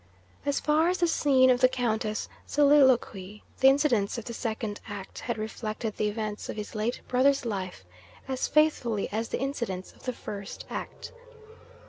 As far as the scene of the Countess's soliloquy, the incidents of the Second Act had reflected the events of his late brother's life as faithfully as the incidents of the First Act.